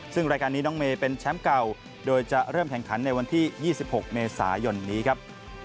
ซึ่งรายการนี้น้องเมย์เป็นแชมป์เก่าโดยจะเริ่มแข่งขันในวันที่๒๖เมษายนนี้ครับ